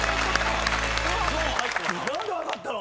何で分かったの？